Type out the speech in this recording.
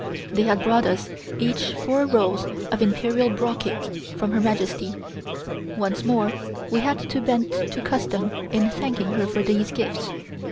They had brought us each four rolls of Imperial brocade from Her Majesty. Once more we had to bend to custom in thanking her for these gifts.